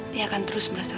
dia akan terus merasa